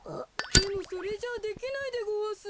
でもそれじゃあできないでごわす。